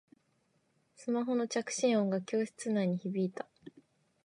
スマホの着信音が教室内に響いた